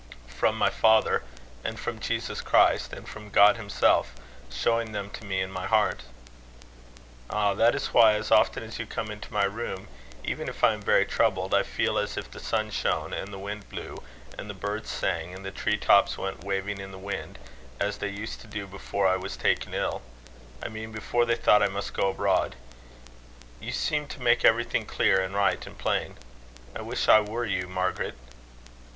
"From my father, and from Jesus Christ, and from God himself, showing them to me in my heart." "Ah! that is why, as often as you come into my room, even if I am very troubled, I feel as if the sun shone, and the wind blew, and the birds sang, and the tree tops went waving in the wind, as they used to do before I was taken ill I mean before they thought I must go abroad. You seem to make everything clear, and right, and plain. I wish I were you, Margaret."